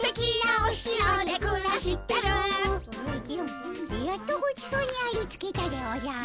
おじゃやっとごちそうにありつけたでおじゃる。